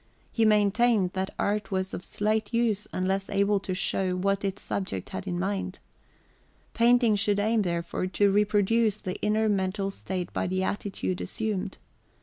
He maintained that art was of slight use unless able to show what its subject had in mind. Painting should aim, therefore, to reproduce the inner mental state by the attitude assumed.